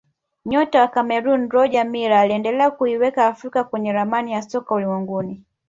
nyota wa cameroon roger miller aliendelea kuiweka afrika kwenye ramani ya soka ulimwenguni